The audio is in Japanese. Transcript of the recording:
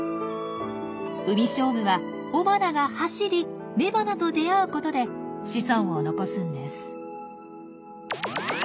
ウミショウブは雄花が走り雌花と出会うことで子孫を残すんです。